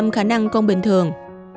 hai mươi năm khả năng con bình thường